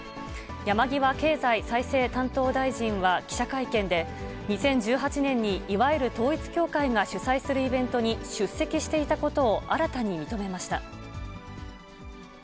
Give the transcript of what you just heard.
山際経済再生担当大臣は記者会見で、２０１８年に、いわゆる統一教会が主催するイベントに出席していたことを、新たに認めました。